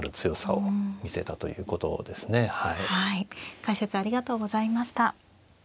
解説ありがとうございました。